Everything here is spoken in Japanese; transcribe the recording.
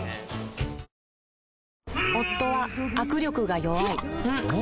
夫は握力が弱い